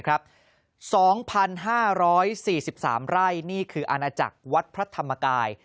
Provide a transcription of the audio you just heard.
๒๕๔๓ไร่นี่คืออาณาจักรวัดพระธรรมกาย